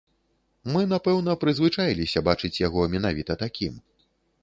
Мы, напэўна, прызвычаіліся бачыць яго менавіта такім.